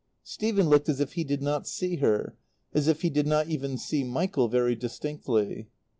Stephen looked as if he did not see her; as if he did not even see Michael very distinctly.